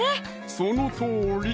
そのとおり！